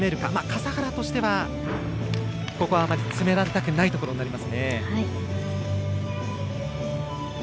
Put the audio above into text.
笠原としてはここはあまり詰められたくないところになりますね。１３．６６６。